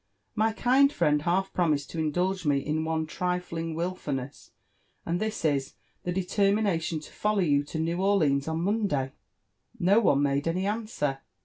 My kind frienc) half promised to indulge me in one irijting vrilfiUn^H; aiid this is, the determination to follow you (o Mew Oc ' loans on Monday." No 000 made any answer.